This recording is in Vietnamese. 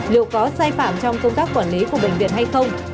liệu có sai phạm trong công tác quản lý của bệnh viện hay không